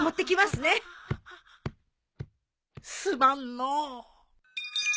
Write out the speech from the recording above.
すまんのう。